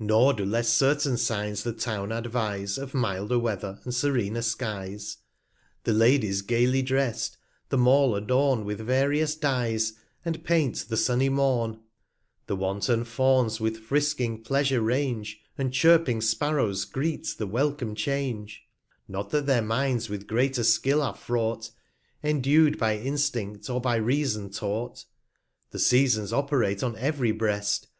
Nor do less certain Signs the Town advise, Of milder Weather, and serener Skies. The Ladies gayly dress'd, the Mall adorn 145 With various Dyes, and paint the sunny Morn; The wanton Fawns with frisking Pleasure range, And chirping Sparrows greet the welcome Change : Not that their Minds with greater Skill are fraught, Endu'd by Instindt, or by Reason taught, 150 The Seasons operate on every Breast